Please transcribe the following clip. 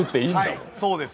はいそうです。